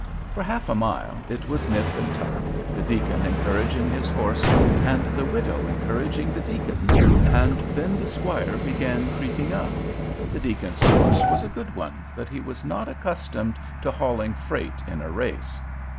For half a mile it was nip and tuck, the deacon encouraging his horse and the widow encouraging the deacon, and then the squire began creeping up. The deacon's horse was a good one, but he was not accustomed to hauling freight in a race.